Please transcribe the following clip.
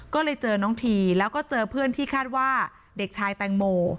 ก็เลยเจอน้องทีแล้วก็เจอเพื่อนที่คาดว่าเด็กชายแตงโม